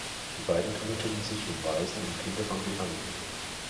Die beiden kümmerten sich um Waisen und Kinder von Gefangenen.